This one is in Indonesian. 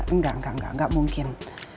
enggak enggak enggak mungkin